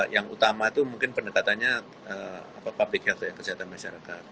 yang utama itu mungkin pendekatannya public health kesehatan masyarakat